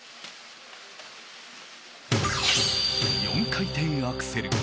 ４回転アクセル。